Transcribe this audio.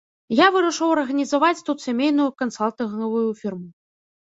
Я вырашыў арганізаваць тут сямейную кансалтынгавую фірму.